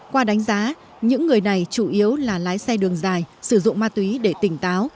qua đánh giá những người này chủ yếu là lái xe đường dài sử dụng ma túy để tỉnh táo